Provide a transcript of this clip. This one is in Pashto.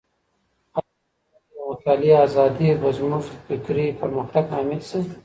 آيا په ټولنه کي د مطالعې ازادي به زموږ د فکري پرمختګ لامل سي؟